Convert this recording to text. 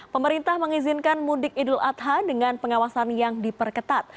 pemerintah mengizinkan mudik idul adha dengan pengawasan yang diperketat